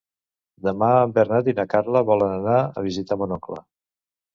Demà en Bernat i na Carla volen anar a visitar mon oncle.